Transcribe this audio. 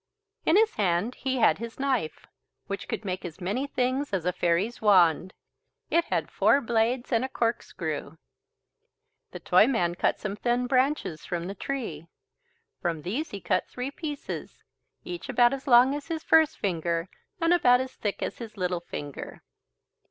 In his hand he had his knife, which could make as many things as a fairy's wand. It had four blades and a corkscrew. The Toyman cut some thin branches from the tree. From these he cut three pieces, each about as long as his first finger and about as thick as his little finger.